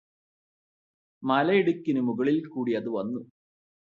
മലയിടുക്കിനു മുകളിൽ കൂടി അത് വന്നു